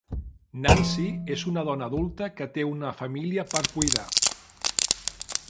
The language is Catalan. Nancy és una dona adulta que té una família per cuidar.